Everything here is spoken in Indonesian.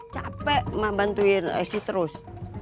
capek ma bantuin esi terus